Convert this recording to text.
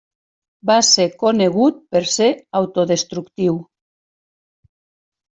Va ser conegut per ser autodestructiu.